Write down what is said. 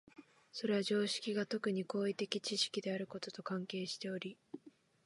それは常識が特に行為的知識であることと関係しており、